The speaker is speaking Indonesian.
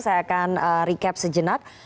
saya akan recap sejenak